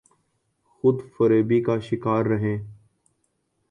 خود فریبی کا شکارہیں۔